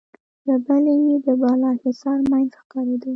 له بلې يې د بالاحصار مينځ ښکارېده.